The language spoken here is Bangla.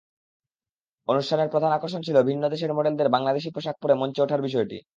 অনুষ্ঠানের প্রধান আকর্ষণ ছিল ভিন্ন দেশের মডেলদের বাংলাদেশি পোশাক পরে মঞ্চে ওঠার বিষয়টি।